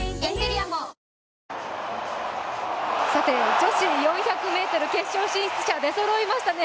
女子４００ｍ決勝進出者出そろいましたね。